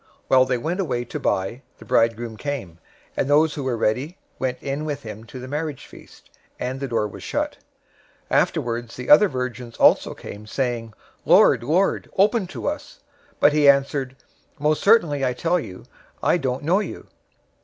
025:010 While they went away to buy, the bridegroom came, and those who were ready went in with him to the marriage feast, and the door was shut. 025:011 Afterward the other virgins also came, saying, 'Lord, Lord, open to us.' 025:012 But he answered, 'Most certainly I tell you, I don't know you.'